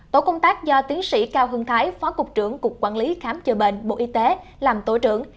tổ công tác do tiến sĩ cao hưng thái phó cục trưởng cục quản lý khám chữa bệnh bộ y tế làm tổ trưởng